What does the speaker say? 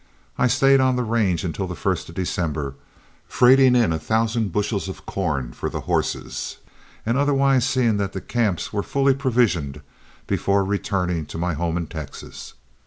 I stayed on the range until the first of December, freighting in a thousand bushels of corn for the horses and otherwise seeing that the camps were fully provisioned before returning to my home in Texas.